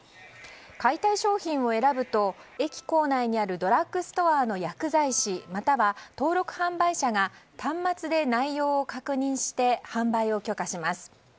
買いたい商品を選ぶと駅構内にあるドラッグストアの薬剤師または登録販売者が端末で内容を確認して販売を許可します。